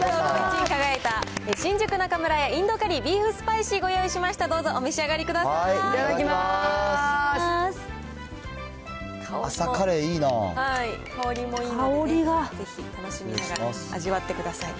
１位に輝いた新宿中村屋インドカリービーフスパイシーご用意しました、どうぞお召し上がりください。